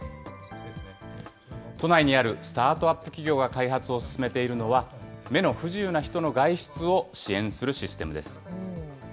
都内にあるスタートアップ企業が開発を進めているのは、目の不自由な人の外出を支援するシステムです。